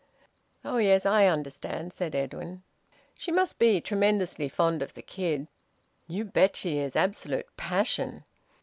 "Oh yes, I understand," said Edwin. "She must be tremendously fond of the kid." "You bet she is! Absolute passion.